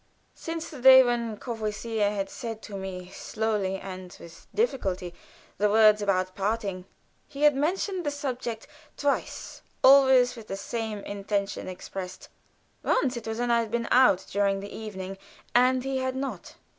Since the day when Courvoisier had said to me, slowly and with difficulty, the words about parting, he had mentioned the subject twice always with the same intention expressed. Once it was when I had been out during the evening, and he had not.